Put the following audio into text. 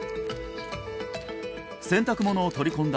洗濯物を取り込んだ